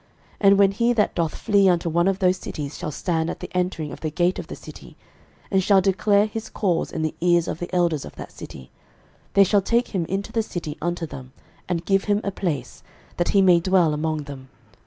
06:020:004 And when he that doth flee unto one of those cities shall stand at the entering of the gate of the city, and shall declare his cause in the ears of the elders of that city, they shall take him into the city unto them, and give him a place, that he may dwell among them.